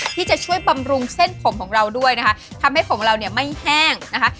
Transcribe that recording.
ที่จะช่วยบำรุงเส้นผมของเราด้วยนะคะทำให้ผมเราเนี่ยไม่แห้งนะคะ